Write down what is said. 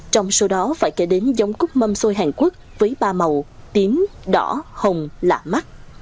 trong số đó phải kể đến giống cút mâm xôi hàn quốc với ba màu tím đỏ hồng lạ mắt